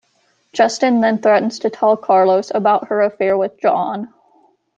Justin then threatens to tell Carlos about her affair with John.